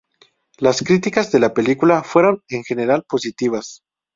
Las críticas de la película fueron en general positivas.